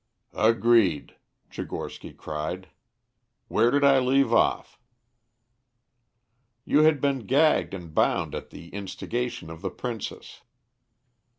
"Agreed," Tchigorsky cried. "Where did I leave off?" "You had been gagged and bound at the instigation of the princess."